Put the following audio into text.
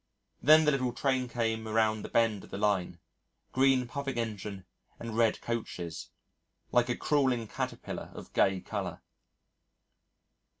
Then the little train came around the bend of the line green puffing engine and red coaches, like a crawling caterpillar of gay colour.